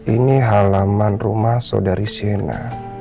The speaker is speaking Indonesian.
ini halaman rumah saudari shena